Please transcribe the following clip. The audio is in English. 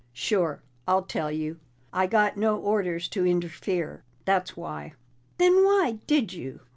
"Sure I'll tell you. I got no orders to interfere, that's why." "Then why did you?"